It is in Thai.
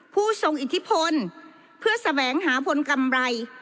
ผู้ทรงอิทธิพลเพื่อแสวงหาผลกำไร